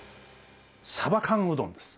さば缶うどんです。